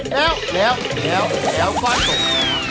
แล้วคว้ากลง